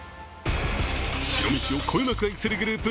白めしをこよなく愛するグループ